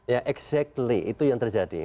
ya exactly itu yang terjadi